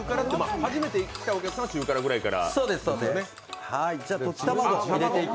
初めて来たお客さんは中辛ぐらいから。